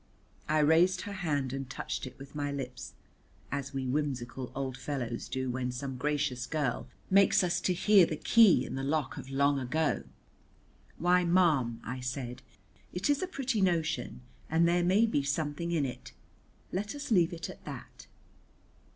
I raised her hand and touched it with my lips, as we whimsical old fellows do when some gracious girl makes us to hear the key in the lock of long ago. "Why, ma'am," I said, "it is a pretty notion, and there may be something in it. Let us leave it at that."